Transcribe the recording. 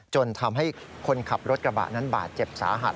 จนทำให้คนขับรถกระบะนั้นบาดเจ็บสาหัส